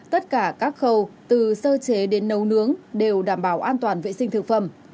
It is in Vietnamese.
tất cả các khâu từ sơ chế đến nấu nướng đều đảm bảo an toàn vệ sinh thực phẩm